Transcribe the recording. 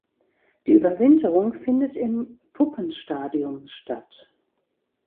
Die Überwinterung findet im Puppenstadium statt.